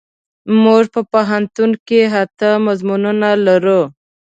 مونږ په پوهنتون کې اته مضمونونه لرو.